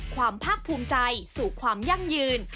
ภาคภูมิใจสู่ความยั่งยืน